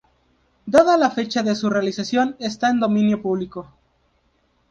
Dada la fecha de su realización está en dominio público.